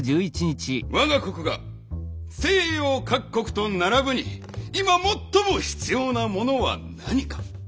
我が国が西洋各国と並ぶに今最も必要なものは何か。